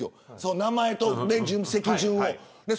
名前と席順を。